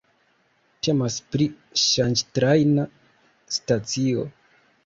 Temas pri ŝanĝtrajna stacio.